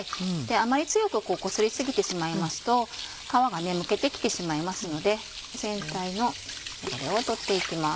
あまり強くこすりすぎてしまいますと皮がむけてきてしまいますので全体の汚れを取っていきます。